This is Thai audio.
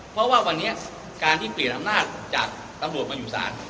เพราะว่าวันนี้การที่เปลี่ยนอำนาจจากตำรวจมาอยู่ศาล